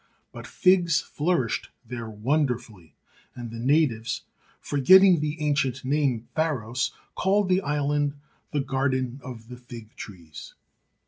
But figs flourished there wonder fully, and the natives, forgetting the ancient name Pharos, called the island the Garden of the Fig Trees.